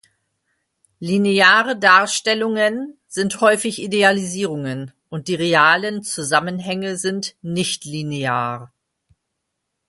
Lineare Darstellungen sind häufig Idealisierungen, und die realen Zusammenhänge sind "nichtlinear".